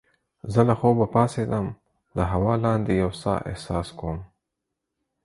زه له خوبه پاڅیدم د هوا لاندې یو څه احساس کوم.